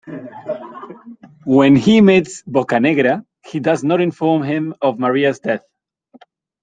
When he meets Boccanegra he does not inform him of Maria's death.